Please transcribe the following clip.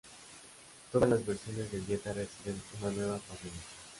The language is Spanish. Todas las versiones del Jetta reciben una nueva parrilla.